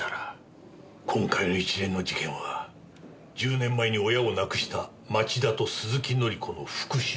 今回の一連の事件は１０年前に親を亡くした町田と鈴木紀子の復讐。